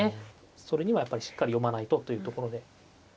それにはやっぱりしっかり読まないとというところで。